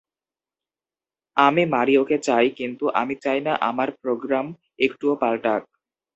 আমি মারিওকে চাই, কিন্তু আমি চাই না আমার প্রোগ্রাম একটুও পাল্টাক!